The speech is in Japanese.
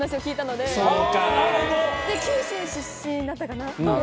で九州出身だったかな。